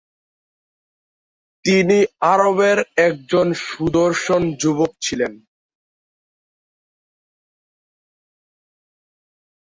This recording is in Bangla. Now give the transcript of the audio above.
তিনি আরবের একজন সুদর্শন যুবক ছিলেন।